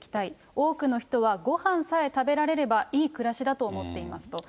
多くの人はごはんさえ食べられればいい暮らしだと思っていますと。